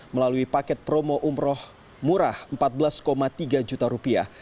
melalui paket promo umroh murah empat belas tiga juta rupiah